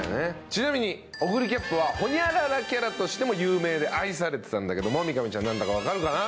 ちなみにオグリキャップは○○キャラとしても有名で愛されてたんだけども見上ちゃん何だか分かるかな？